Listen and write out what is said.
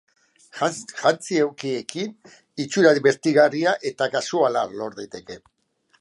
Janzki egokiekin itxura dibertigarria eta kasuala lor daiteke.